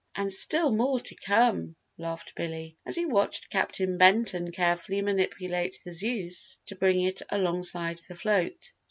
And still more to come," laughed Billy, as he watched Captain Benton carefully manipulate the Zeus to bring it alongside the float.